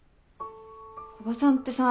古賀さんってさああ